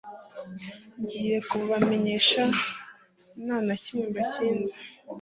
ngiye kububamenyesha nta na kimwe mbakinze